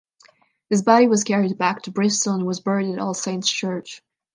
His body was carried back to Bristol and was buried at All Saints Church.